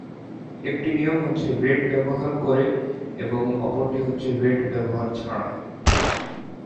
একটি নিয়ম হচ্ছে ওয়েট ব্যবহার করে এবং অপরটি হচ্ছে ওয়েট ব্যবহার ছাড়া।